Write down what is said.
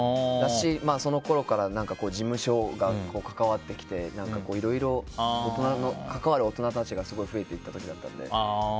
そのころから事務所が関わってきて関わる大人たちが増えていった時だったので。